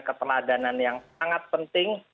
keteladanan yang sangat penting